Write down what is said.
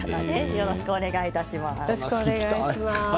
よろしくお願いします。